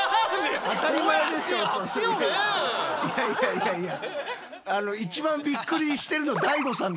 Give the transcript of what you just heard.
いやいやいやいや。